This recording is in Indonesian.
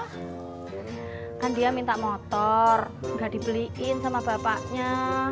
kan dia minta motor udah dibeliin sama bapaknya